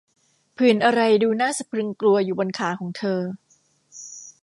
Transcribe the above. ผื่นอะไรดูน่าสะพรึงกลัวอยู่บนขาของเธอ !